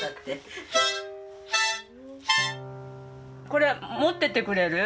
これ持っててくれる？